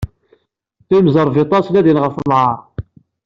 Imẓerbeḍḍa ttnadin ɣef lɛaṛ.